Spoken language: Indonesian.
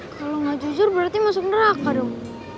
kalau nggak jujur berarti masuk neraka dong